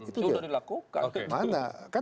itu sudah dilakukan